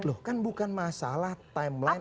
loh kan bukan masalah timeline